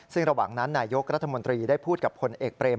ซึ่งระหว่างนั้นนายกรัฐมนตรีได้พูดกับพลเอกเบรม